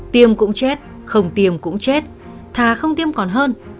tiêm cũng chết không tiêm cũng chết thà không tiêm còn hơn